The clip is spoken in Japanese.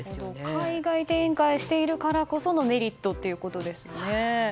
海外展開しているからこそのメリットということですね。